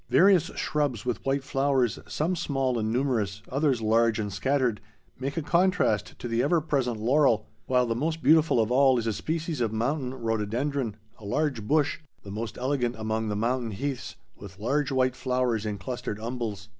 Various shrubs with white flowers, some small and numerous, others large and scattered, make a contrast to the ever present laurel, while the most beautiful of all is a species of mountain rhododendron, a large bush, the most elegant among the mountain heaths, with large white flowers in clustered umbels.